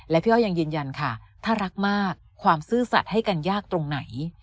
และพี่อ้อยยังยืนยันค่ะถ้ารักมากความซื่อสัตว์ให้กันยากตรงไหน